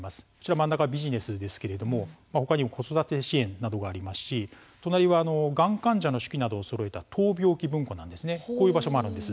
真ん中はビジネスですとか他にも子育て支援などもありますし隣はがん患者の手記などをそろえた闘病記文庫こういった場所もあります。